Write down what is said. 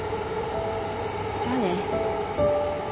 じゃあね。